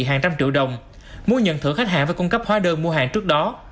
hàng trăm triệu đồng mua nhận thưởng khách hàng và cung cấp hóa đơn mua hàng trước đó